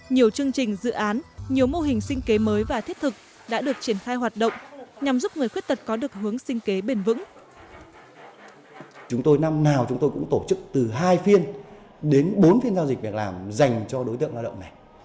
nhiều chương trình dự án nhiều mô hình sinh kế đồng hành và hỗ trợ cho người khuyết tật trong cuộc sống